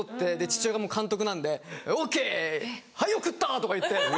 父親が監督なんで「ＯＫ！はい送った！」とか言って。